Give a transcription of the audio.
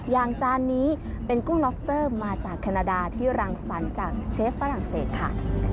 จานนี้เป็นกุ้งล็อฟเตอร์มาจากแคนาดาที่รังสรรค์จากเชฟฝรั่งเศสค่ะ